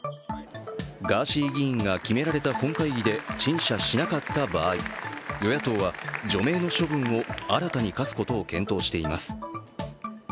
ガーシー議員が決められた本会議で陳謝しなかった場合、与野党は除名の処分を新たに科すことを検討しています。